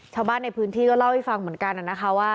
ชาวบ้านในพื้นที่ก็เล่าให้ฟังเหมือนกันนะคะว่า